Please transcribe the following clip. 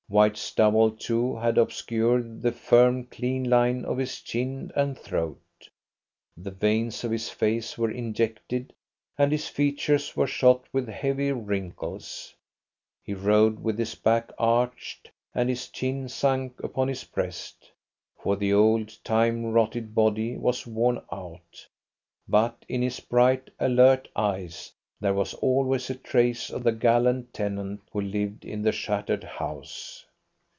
White stubble, too, had obscured the firm, clean line of his chin and throat. The veins of his face were injected, and his features were shot with heavy wrinkles. He rode with his back arched and his chin sunk upon his breast, for the old, time rotted body was worn out, but in his bright, alert eyes there was always a trace of the gallant tenant who lived in the shattered house.